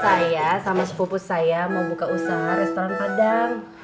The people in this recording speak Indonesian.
saya sama sepupu saya mau buka usaha restoran padang